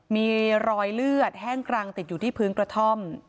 มีรอยเลือดแห้งกรังติดอยู่ที่พื้นกระท่อม